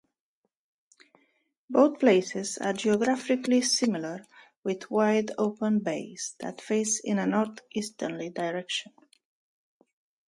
Both places are geographically similar with wide-open bays that face in a northeasterly direction.